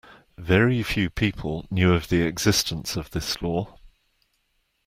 Very few people knew of the existence of this law.